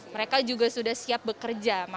mereka juga sudah siap bekerja